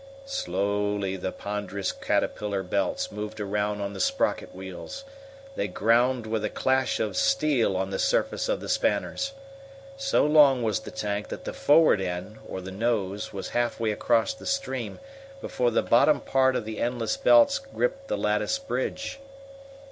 Slowly the ponderous caterpillar belts moved around on the sprocket wheels. They ground with a clash of steel on the surface of the spanners. So long was the tank that the forward end, or the "nose," was halfway across the stream before the bottom part of the endless belts gripped the latticed bridge.